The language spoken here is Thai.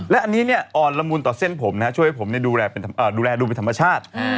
และอันนี้เนี่ยอ่อนละมุนต่อเส้นผมนะฮะช่วยให้ผมดูแลดูเป็นธรรมชาติ